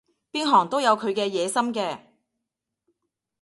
邊行都有佢嘅野心嘅